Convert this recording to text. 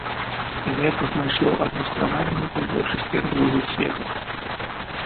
Гэта знайшло адлюстраванне ў большасці рэлігій свету.